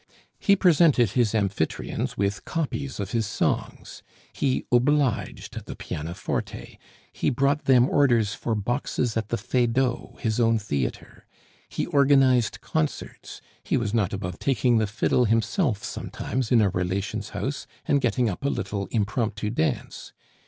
He presented his amphitryons with copies of his songs, he "obliged" at the pianoforte, he brought them orders for boxes at the Feydeau, his own theatre, he organized concerts, he was not above taking the fiddle himself sometimes in a relation's house, and getting up a little impromptu dance.